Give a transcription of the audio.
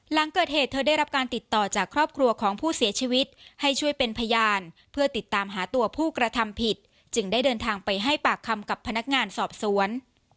หลังเกิดเหตุเธอได้รับการติดต่อจากครอบครัวของผู้เสียชีวิตให้ช่วยเป็นพยานเพื่อติดตามหาตัวผู้กระทำผิดจึงได้เดินทางไปให้ปากคำกับพนักงานสอบสวน